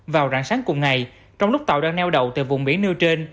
vào rạng sáng cùng ngày trong lúc tàu đang neo đầu từ vùng biển nưu trên